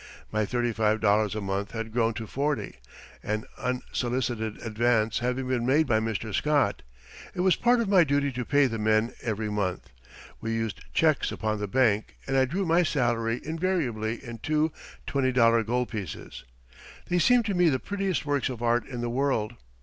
My thirty five dollars a month had grown to forty, an unsolicited advance having been made by Mr. Scott. It was part of my duty to pay the men every month. We used checks upon the bank and I drew my salary invariably in two twenty dollar gold pieces. They seemed to me the prettiest works of art in the world.